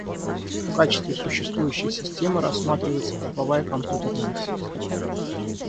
В качестве существующей системы рассматривается типовая компьютерная сеть.